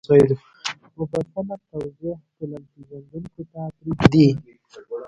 مفصله توضیح ټولنپېژندونکو ته پرېږدي